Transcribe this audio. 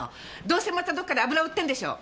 どうせまたどっかで油売ってんでしょ？